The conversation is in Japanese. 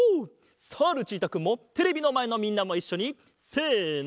さあルチータくんもテレビのまえのみんなもいっしょにせの。